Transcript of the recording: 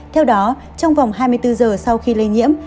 theo đó trong vòng hai mươi bốn giờ sau khi lây nhiễm